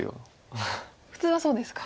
普通はそうですか。